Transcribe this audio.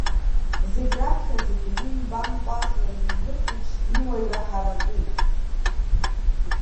Зегь раԥхьаӡагьы уи нбан ҟәазла иуҩыртә еиԥш иуаҩра ҳаракуп.